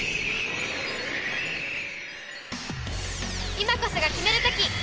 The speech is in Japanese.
今こそがキメる時！